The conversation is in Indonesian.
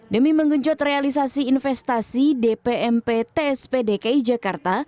demi menggenjot realisasi investasi dpmp tsp dki jakarta